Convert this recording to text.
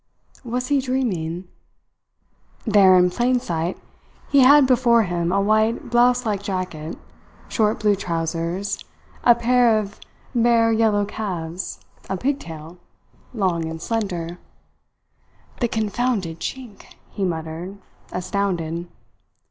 Was he dreaming? There, in plain sight, he had before him a white, blouse like jacket, short blue trousers, a pair of bare yellow calves, a pigtail, long and slender "The confounded Chink!" he muttered, astounded.